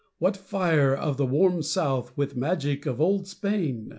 what fire Of the "warm South" with magic of old Spain!